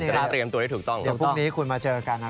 เดี๋ยวพรุ่งนี้คุณมาเจอกันนะ